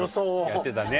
やってたね。